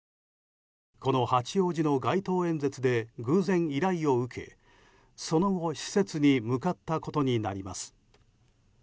この八王子の街頭演説で偶然、依頼を受けその後、施設に向かったことになります。